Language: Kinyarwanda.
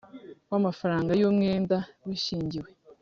w amafaranga y umwenda wishingiwe